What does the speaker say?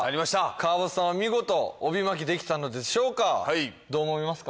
川畑さんは見事帯巻きできたのでしょうかどう思いますか？